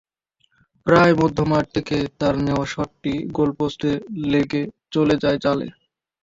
প্রায় মধ্যমাঠ থেকে তাঁর নেওয়া শটটি গোলপোস্টে লেগে চলে যায় জালে।